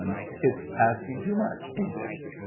It's asking too much, ain't it?